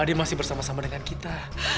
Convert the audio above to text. ade masih bersama sama dengan kita